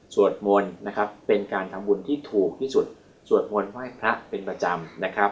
สวดมนต์นะครับเป็นการทำบุญที่ถูกที่สุดสวดมนต์ไหว้พระเป็นประจำนะครับ